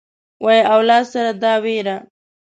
وي اولاد سره دا وېره